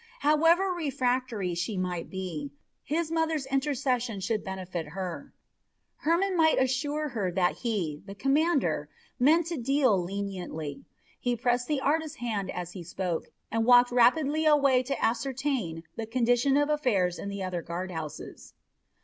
However refractory she might be, his mother's intercession should benefit her. Hermon might assure her that he, the commander, meant to deal leniently. He pressed the artist's hand as he spoke, and walked rapidly away to ascertain the condition of affairs in the other guardhouses.